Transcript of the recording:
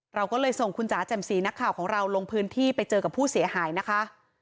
เราก็เลยส่งคุณจ๋าแจ่มสีนักข่าวของเราลงพื้นที่ไปเจอกับผู้เสียหายนะคะ